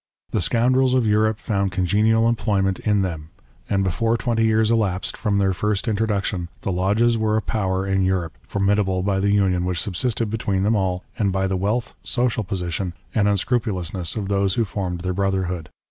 The scoundrels of Europe found congenial employment in them; and before twenty years elapsed from their first intro duction, the lodges were a power in Europe, formidable by the union which subsisted between them all, and by the wealth, social position, and unscrupulousness of those who formed their brotherhood.